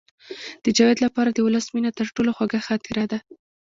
د جاوید لپاره د ولس مینه تر ټولو خوږه خاطره ده